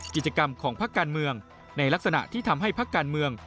กิจกรรมของพักการเมืองในลักษณะที่ทำให้พักการเมือง